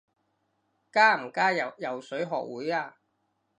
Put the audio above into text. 加唔加入游水學會啊？